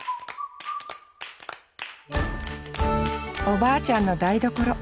おばあちゃんの台所。